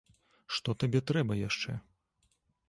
Што табе трэба яшчэ?